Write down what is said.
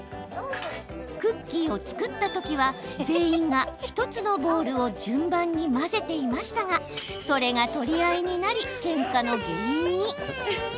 クッキーを作ったときは全員が１つのボウルを順番に混ぜていましたがそれが取り合いになりけんかの原因に。